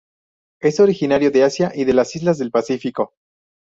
Es originario de Asia y de las islas del Pacífico.